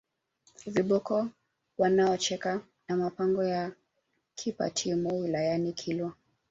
viboko wanaocheka na mapango ya Kipatimo wilayani Kilwa